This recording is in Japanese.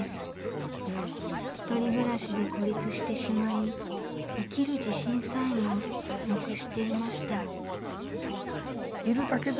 一人暮らしで孤立してしまい生きる自信さえもなくしていました。